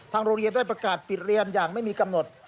โรงเรียนได้ประกาศปิดเรียนอย่างไม่มีกำหนด